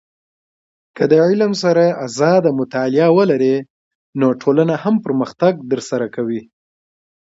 که د علم سر اراده مطالعه ولرې، نو ټولنه هم پرمختګ در سره کوي.